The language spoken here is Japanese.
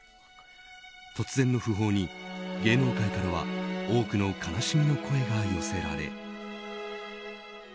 突然の訃報に芸能界からは多くの悲しみの声が寄せられ。